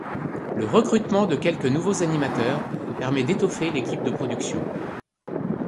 Le recrutement de quelques nouveaux animateurs permet d'étoffer l'équipe de production.